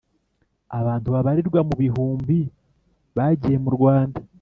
abantu babarirwa mu bihumbi bagiye murwanda